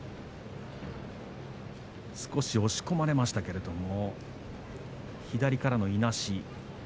少し押し込まれましたが左からのいなし